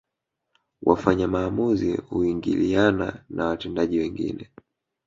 Wafanya maamuzi huingiliana na watendaji wengine